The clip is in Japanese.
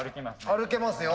歩けますよ。